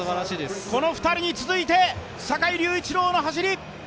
この２人に続いて坂井隆一郎の走り。